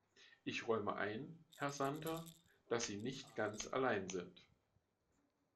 Ich räume ein, Herr Santer, dass Sie nicht ganz allein sind.